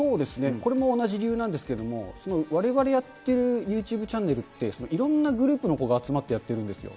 これも同じ理由なんですけども、われわれやってるユーチューブチャンネルって、いろんなグループの子が集まってやっているんですよ。